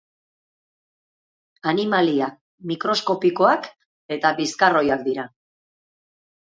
Animalia mikroskopikoak eta bizkarroiak dira.